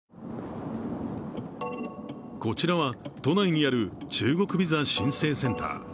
こちらは都内にある中国ビザ申請センター。